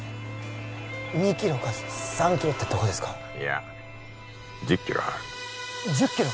２キロか３キロってとこですかいや１０キロある１０キロ！？